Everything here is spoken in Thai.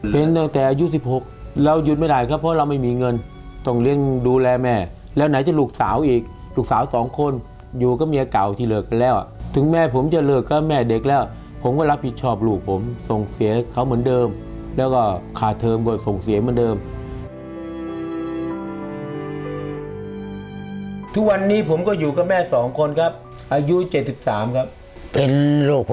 ต้องเรียกดูแลแม่แล้วไหนจะลูกสาวอีกลูกสาว๒คนอยู่กับเมียเก่าที่เลิกกันแล้วถึงแม่ผมจะเลิกก็แม่เด็กแล้วผมก็รับผิดชอบลูกผมส่งเสียเขาเหมือนเดิมแล้วก็ขาดเทอมกว่าส่งเสียเหมือนเดิมทุกวันนี้ผมก็อยู่กับแม่๒คนครับอายุ๗๓ครับเป็นลูกหัวใจลูกความดันลูกกระเพาะปวดเพราะเขาเนี่ยหมอว่าเป